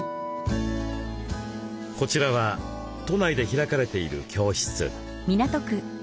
こちらは都内で開かれている教室。